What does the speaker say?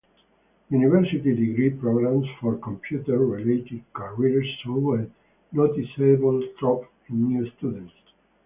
University degree programs for computer-related careers saw a noticeable drop in new students.